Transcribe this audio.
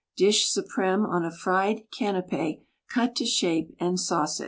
Dish supreme on a fried canape cut to shape and sauce it.